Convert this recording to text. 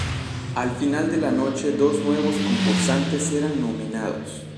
Al final de la noche dos nuevos concursantes eran nominados.